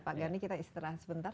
pak gani kita istirahat sebentar